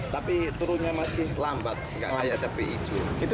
tapi turunnya masih lambat nggak layak cabai hijau